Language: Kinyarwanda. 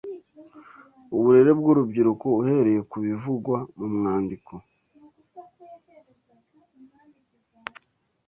uburere bw’urubyiruko uhereye ku bivugwa mu mwandiko